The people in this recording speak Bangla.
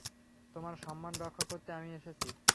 তোমার সম্মান রক্ষা করতে আমি এসেছি।